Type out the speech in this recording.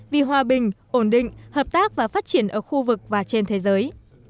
vì hòa bình ổn định hợp tác và phát triển ở khu vực và trên thế giới